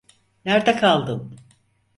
Nerde kaldın?